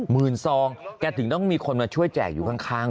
มือสองแกศึกต้องมีคนมาช่วยแจกอยู่ฮะข้าง